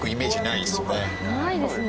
ないですね。